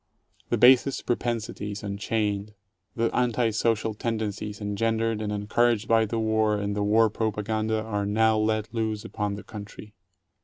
The basest propensities unchained, the anti social tendencies engendered and encouraged by the war, and the war propaganda, are now let loose upon the country.